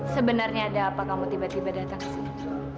sebenarnya ada apa kamu tiba tiba datang kesini